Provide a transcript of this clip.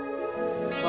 ini udah berapa lama